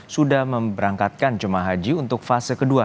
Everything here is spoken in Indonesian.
sudah memberangkatkan jum ah haji untuk fase ke dua